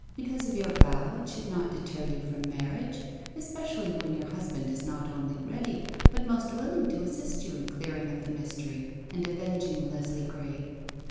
Because of your vow it should not deter you from marriage, especially when your husband is not only ready, but most willing to assist you in clearing up the mystery, and avenging Leslie Grey.